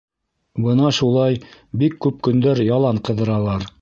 Бына шулай бик күп көндәр ялан ҡыҙыралар.